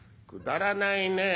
「くだらないね」。